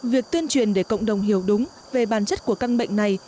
việc tuyên truyền để cộng đồng hiểu đúng về bản chất của căn bệnh này